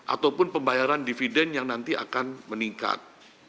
ataupun pembayaran dividen yang nanti akan meningkat